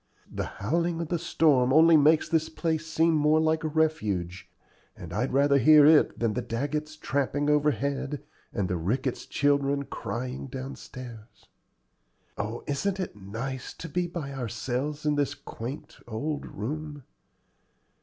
The howling of the storm only makes this place seem more like a refuge, and I'd rather hear it than the Daggetts tramping overhead and the Ricketts children crying down stairs. Oh, isn't it nice to be by ourselves in this quaint old room?